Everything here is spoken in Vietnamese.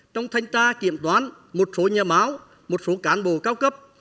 trong thanh tra kiểm toán một số nhà máu một số cán bộ cao cấp